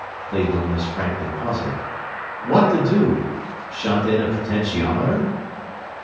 Cleveland was frankly puzzled. "What to do? Shunt in a potentiometer?"